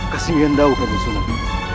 kasih liandau kanjeng sunan